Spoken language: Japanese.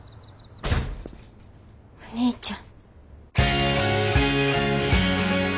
お兄ちゃん。